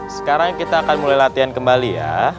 sekarang kita akan mulai latihan kembali ya